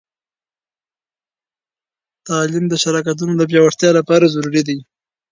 تعلیم د شراکتونو د پیاوړتیا لپاره ضروری دی.